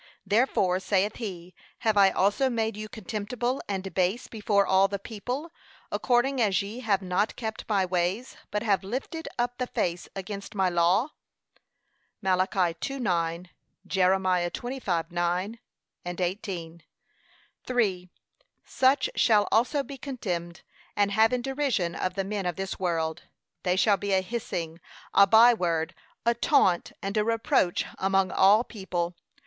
'Therefore,' saith he, 'have I also made you contemptible and base before all the people, according as ye have not kept my ways,' but have lifted up the face against my law. (Mal. 2:9; Jer. 25:9, 18) 3. Such shall also be contemned and had in derision of the men of this world. They shall be a hissing, a bye word, a taunt, and a reproach among all people.